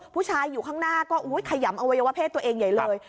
ผู้ชายอยู่ข้างหน้าก็ขยำอวัยวะเพศตัวเองใหญ่เลย